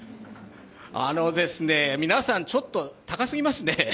皆さん、ちょっと高すぎますね。